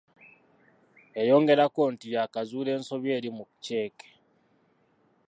Yayongerako nti yaakazuula ensobi eri mu cceeke.